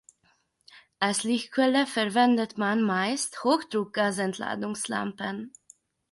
Als Lichtquelle verwendet man meist Hochdruck-Gasentladungslampen.